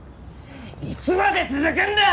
いつまで続くんだ！